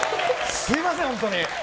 すみません、本当に。